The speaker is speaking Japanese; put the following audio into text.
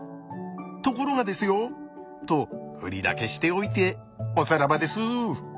ところがですよとフリだけしておいておさらばです。